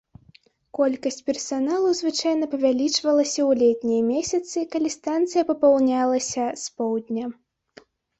Колькасць персаналу звычайна павялічвалася ў летнія месяцы, калі станцыя папаўнялася з поўдня.